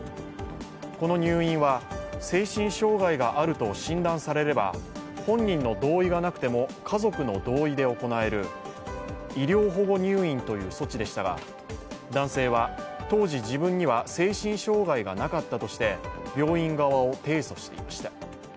この入院は精神障害があると診断されれば本人の同意がなくても家族の同意で行える医療保護入院という措置でしたが、男性は当時自分には精神障害がなかったとして病院側を提訴していました。